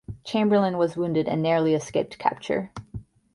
Chamberlain was wounded and narrowly escaped capture.